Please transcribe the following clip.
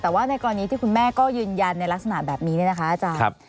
แต่ว่าในกรณีที่คุณแม่ก็ยืนยันในลักษณะแบบนี้เนี่ยนะคะอาจารย์